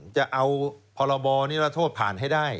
จะเอาพรบนิรัทธสกรรมผ่านให้ได้